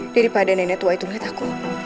daripada nenek tua itu melihat aku